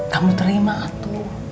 kamu terima tuh